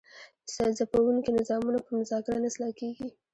ځپونکي نظامونه په مذاکره نه اصلاح کیږي.